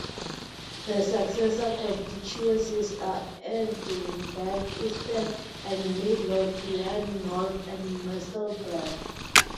The successor constituencies are Edinburgh Eastern, and Midlothian North and Musselburgh.